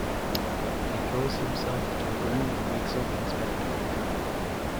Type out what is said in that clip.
He throws himself to the ground and wakes up in his bed.